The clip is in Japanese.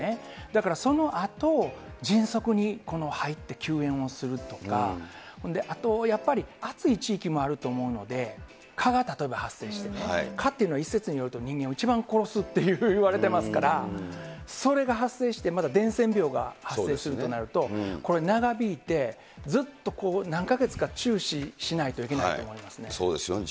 だからそのあと、迅速に入って救援をするとか、あとやっぱり、暑い地域もあると思うので、蚊が例えば発生して、蚊っていうのは一説によると、人間を一番殺すって言われてますから、それが発生してまた、伝染病が発生するとなると、これ、長引いて、ずっと何か月か注視しないといけないと思いますね。